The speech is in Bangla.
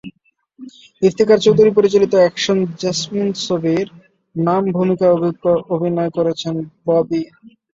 ইফতেখার চৌধুরী পরিচালিত অ্যাকশন জেসমিন ছবির নাম ভূমিকায় অভিনয় করেছেন ববি।